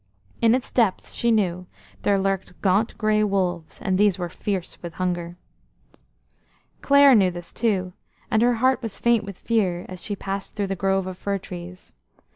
In its depths, she knew, there lurked gaunt grey wolves, and these were fierce with hunger. "'DO NOT COME BACK WITHOUT THEM!'" Clare knew this too, and her heart was faint with fear as she passed through the grove of fir trees.